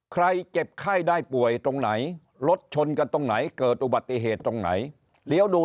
เจ็บไข้ได้ป่วยตรงไหนรถชนกันตรงไหนเกิดอุบัติเหตุตรงไหนเลี้ยวดู